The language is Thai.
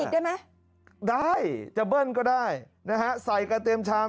อร่อยนะฮะได้จำเปิ้ลก็ได้ใส่กระเต็มชาม